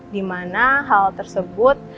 dimana hal tersebut